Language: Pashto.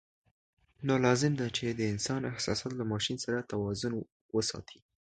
نو لازم ده چې د انسان احساسات له ماشین سره توازن وساتي.